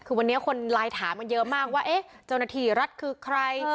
คือวันนี้คนไลน์ถามกันเยอะมากว่าเอ๊ะเจ้าหน้าที่รัฐคือใคร